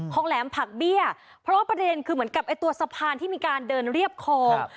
แหลมผักเบี้ยเพราะว่าประเด็นคือเหมือนกับไอ้ตัวสะพานที่มีการเดินเรียบคลอง